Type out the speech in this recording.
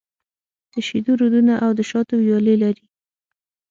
د شېدو رودونه او د شاتو ويالې لري.